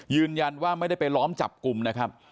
ยืนยันว่าไม่ได้ไปล้อมจับกลุ่มนะครับ